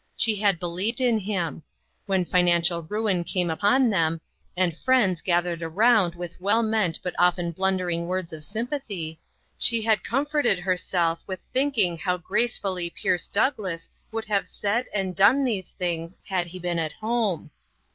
She had believed in him. When financial ruin came upon them, and friends gathered around with well meant, but often blundering words of sympathy, she had com forted herself with thinking how gracefully Pierce Douglass would have said and done these things had he been at home.